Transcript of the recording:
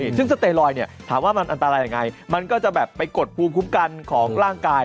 ซึ่งสเตลอยเนี่ยถามว่ามันอันตรายยังไงมันก็จะแบบไปกดภูมิคุ้มกันของร่างกาย